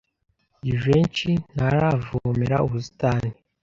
Jivency ntaravomera ubusitani.